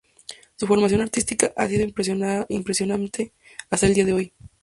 Su formación artística ha sido impresionante hasta el día de hoy.